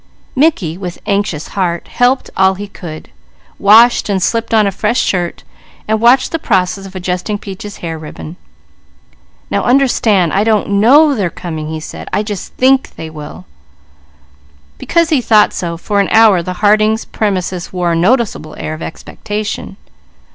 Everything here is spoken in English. Mickey, with anxious heart, helped all he could, washed, slipped on a fresh shirt, and watched the process of adjusting Peaches' hair ribbon. "Now understand, I don't know they're coming," he said. "I just think they will." Because he thought so, for an hour the Harding premises wore a noticeable air of expectation.